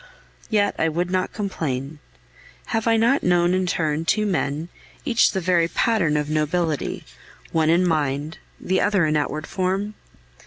"Yet I would not complain. Have I not known in turn two men, each the very pattern of nobility one in mind, the other in outward form?